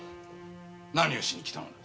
何をしに来たのだ？